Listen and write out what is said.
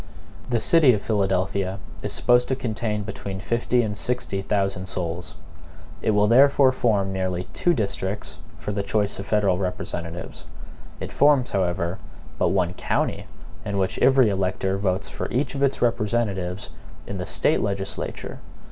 The city of Philadelphia is supposed to contain between fifty and sixty thousand souls. It will therefore form nearly two districts for the choice of federal representatives. It forms, however, but one county, in which every elector votes for each of its representatives in the State legislature.